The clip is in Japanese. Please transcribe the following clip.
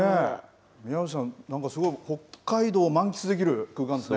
宮内さん、なんかすごい北海道を満喫できる空間ですね。